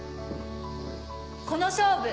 この勝負。